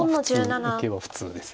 受けは普通です。